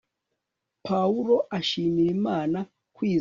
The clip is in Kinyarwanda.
Pawulo ashimira Imana kwizera n urukundo